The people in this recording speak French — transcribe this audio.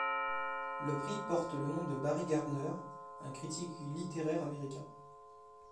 Le prix porte le nom de Barry Gardner, un critique littéraire américain.